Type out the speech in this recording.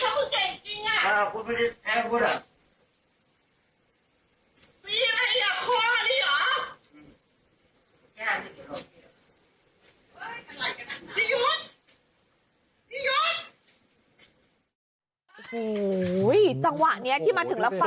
หูยจังหวะนี้ที่มันถึงละฟาด